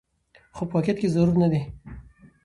خو په واقعيت کې ضرور نه ده